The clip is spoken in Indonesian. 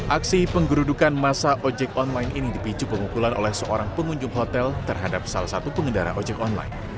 aksi penggerudukan masa ojek online ini dipicu pemukulan oleh seorang pengunjung hotel terhadap salah satu pengendara ojek online